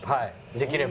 できれば。